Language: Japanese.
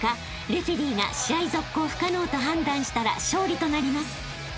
レフェリーが試合続行不可能と判断したら勝利となります］